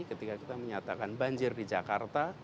ketika kita menyatakan banjir di jakarta